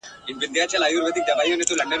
زه له هغه ښاره راغلم چي ملاله یې ګونګۍ ده ..